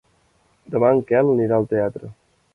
Demà en Quel anirà al teatre.